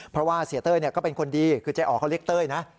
เพราะว่าเสียเต้ยก็เป็นคนดีคือเจ๊อ๋อเขาเรียกเต้ยนะ